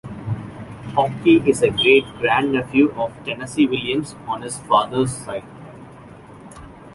Hawke is a great-grandnephew of Tennessee Williams on his father's side.